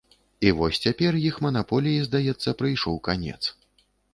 І вось цяпер іх манаполіі, здаецца, прыйшоў канец.